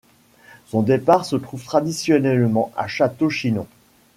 Son départ se trouve traditionnellement à Château-Chinon.